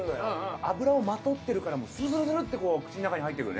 脂をまとってるからスルスルスルって口の中に入っていくね